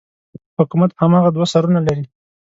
حکومت هماغه دوه سرونه لري.